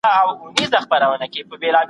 د جرګي غړو به د هیواد د استقلال لپاره کار کاوه.